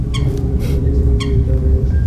অর্থাৎ এ ব্যাপারে নির্দেশ দেওয়া হয়ে গেছে।